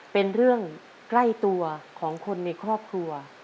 เป็นเรื่องใกล้ตัวของคนในครอบครัว